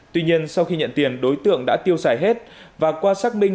tuy nhiên sau khi nhận tiền đối tượng đã tiêu xài hết và qua xác minh